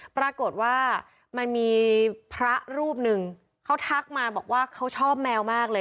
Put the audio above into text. ปรากฏว่ามันมีพระรูปหนึ่งเขาทักมาบอกว่าเขาชอบแมวมากเลย